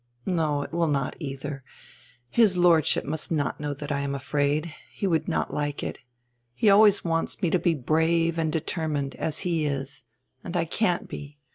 No, it will not, either. His Lordship must not know drat I am afraid, he would not like it. He always wants nre to be brave and deter mined, as he is. And I can't be.